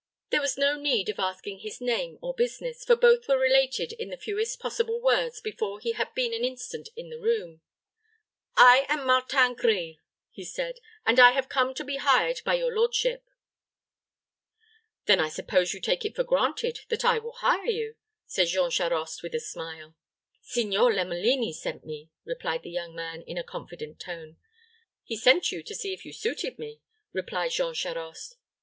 There was no need of asking his name or business, for both were related in the fewest possible words before he had been an instant in the room. "I am Martin Grille," he said, "and I have come to be hired by your lordship." "Then I suppose you take it for granted that I will hire you?" said Jean Charost, with a smile. "Signor Lomelini sent me," replied the young man, in a confident tone. "He sent you to see if you suited me," replied Jean Charost.